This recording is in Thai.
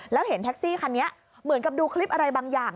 แล้วเห็นแท็กซี่คันนี้เหมือนกับดูคลิปอะไรบางอย่าง